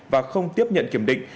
và không tiếp nhận kiểm định